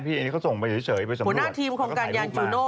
ผู้หน้าทีมของการยานจูโน่